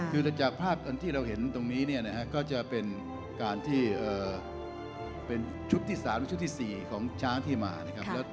คือจากภาพที่เราเห็นตรงนี้เนี่ยนะฮะก็จะเป็นชุดที่สามชุดที่สี่ของฉ้างที่มานะครับ